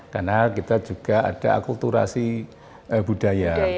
karena kita juga ada akulturasi budaya